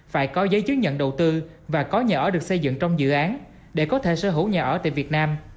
phải có giấy chứng nhận đầu tư và có nhà ở được xây dựng trong dự án để có thể sở hữu nhà ở tại việt nam